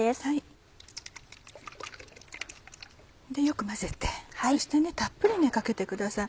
よく混ぜてそしてたっぷりかけてください。